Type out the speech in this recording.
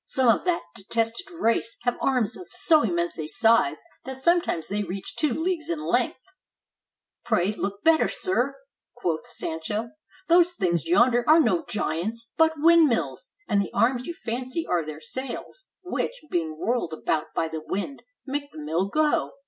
Some of that detested race have arms of so immense a size that some times they reach two leagues in length." 504 THE KNIGHT OF THE WINDMILLS "Pray look better, sir," quoth Sancho: ''those things yonder are no giants, but windmills; and the arms you fancy are their sails, which, being whirled about by the wind, make the mill go."